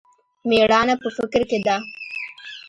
مېړانه په فکر کښې ده.